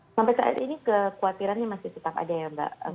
sampai saat ini kekhawatirannya masih tetap ada ya mbak